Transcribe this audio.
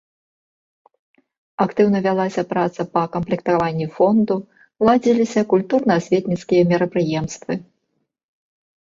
Актыўна вялася праца па камплектаванні фонду, ладзіліся культурна-асветніцкія мерапрыемствы.